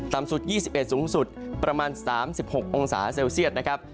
สุด๒๑สูงสุดประมาณ๓๖องศาเซลเซียตนะครับ